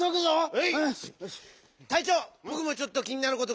はい。